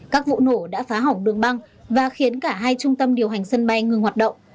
các vụ nổ đã phá hỏng đường băng và khiến cả hai trung tâm điều hành sân bay ngừng hoạt động